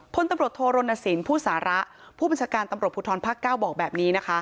พลตำรวจโทรณสินผู้สาระผู้บัญชาการตำรวจภูทรภาค๙บอกแบบนี้นะคะ